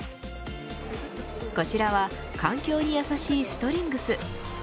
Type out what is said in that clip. こちらは環境に優しいストリングス。